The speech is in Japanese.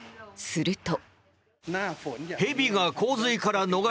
すると。